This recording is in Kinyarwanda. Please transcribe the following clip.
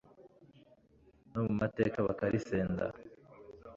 No mu mateka bakarisenda